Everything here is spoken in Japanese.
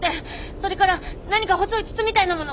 それから何か細い筒みたいなもの。